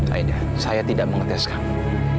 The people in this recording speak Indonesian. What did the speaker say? kaedah saya tidak mengetes kamu